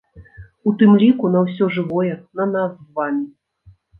У тым ліку на ўсё жывое, на нас з вамі.